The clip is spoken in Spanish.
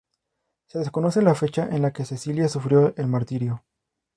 Se desconoce la fecha en que Cecilia sufrió el martirio.